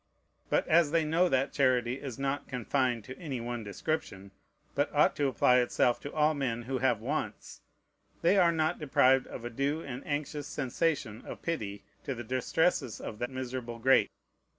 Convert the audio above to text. But as they know that charity is not confined to any one description, but ought to apply itself to all men who have wants, they are not deprived of a due and anxious sensation of pity to the distresses of the miserable great.